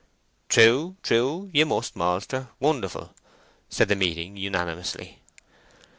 "True, true; ye must, malter, wonderful," said the meeting unanimously.